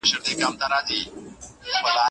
سردار محمد داود خان د ملي هیلو او خوبونو ساتونکی وو.